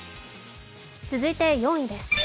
続いて４位です。